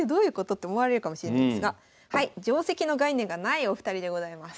って思われるかもしれないですが定跡の概念がないお二人でございます。